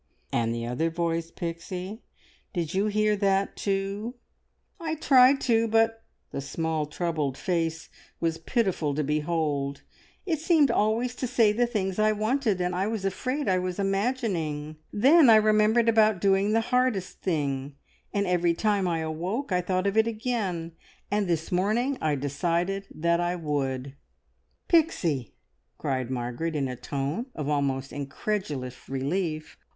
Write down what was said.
"And the other voice, Pixie did you hear that too?" "I tried to, but," the small troubled face was pitiful to behold "it seemed always to say the things I wanted, and I was afraid I was imagining. Then I remembered about doing the hardest thing, and every time I awoke I thought of it again, and this morning I decided that I would!" "Pixie!" cried Margaret, in a tone of almost incredulous relief.